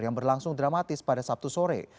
yang berlangsung dramatis pada sabtu sore